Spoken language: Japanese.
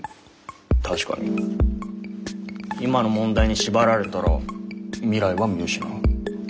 確かに今の問題に縛られたら未来は見失う。